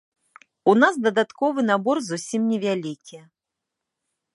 У нас дадатковы набор зусім невялікі.